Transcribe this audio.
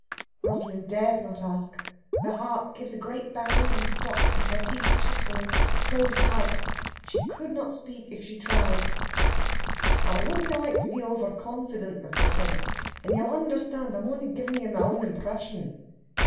Rosalind dares not ask; her heart gives a great bound, and stops, and her teeth chatter and close tight. She could not speak if she tried. "I wouldna like to be over confeedent, Mr. Fenwick, and ye'll understand I'm only geevin' ye my own eempression...."